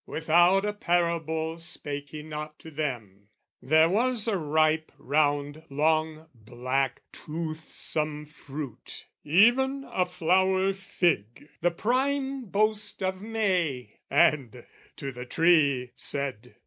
"'Without a parable spake He not to them.' " "There was a ripe round long black toothsome fruit, "Even a flower fig, the prime boast of May: "And, to the tree, said...